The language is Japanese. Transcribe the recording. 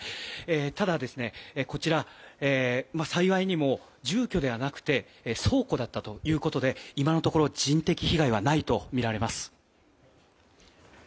ただ、こちらは幸いにも住居ではなくて倉庫だったということで今のところ人的被害はないとみられます。